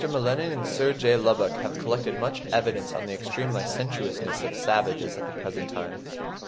M'Lennan and Sir J. Lubbock have collected much evidence on the extreme licentiousness of savages at the present time.